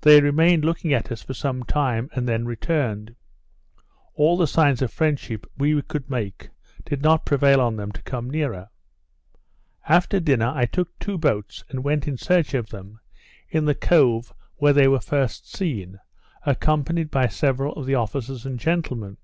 They remained looking at us for some time, and then returned; all the signs of friendship we could make did not prevail on them to come nearer. After dinner I took two boats and went in search of them, in the cove where they were first seen, accompanied by several of the officers and gentlemen.